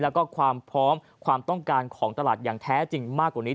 แล้วก็ความพร้อมความต้องการของตลาดอย่างแท้จริงมากกว่านี้